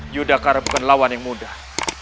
yudakara bukan lawan yang mudah